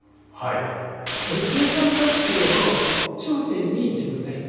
正三角形の頂点に自分がいて。